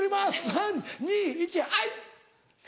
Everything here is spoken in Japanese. ３・２・１はい！